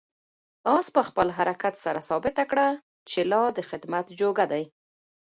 آس په خپل حرکت سره ثابته کړه چې لا د خدمت جوګه دی.